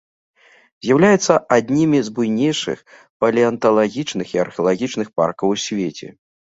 З'яўляюцца аднімі з буйнейшых палеанталагічных і археалагічных паркаў у свеце.